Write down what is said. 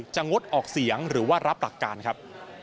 งดออกเสียงหรือว่ารับหลักการครับ